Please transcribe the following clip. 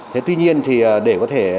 thế tuy nhiên thì để có thể